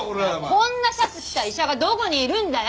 こんなシャツ着た医者がどこにいるんだよ！